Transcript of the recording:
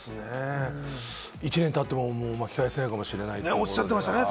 １年経っても巻き返せないかもしれないって。